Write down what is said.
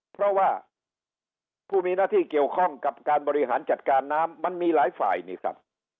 เพราะว่าผู้มีหน้าที่เกี่ยวข้องกับการบริหารจัดการน้ำมันมีหลายฝ่ายนี่ครับ